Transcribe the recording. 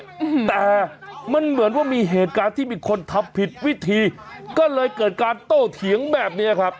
อืมแต่มันเหมือนว่ามีเหตุการณ์ที่มีคนทำผิดวิธีก็เลยเกิดการโต้เถียงแบบเนี้ยครับ